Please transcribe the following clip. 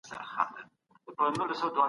تاسو څنګه خپل تحلیل وړاندې کوئ؟